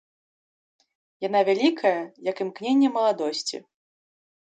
Яна вялікая, як імкненне маладосці.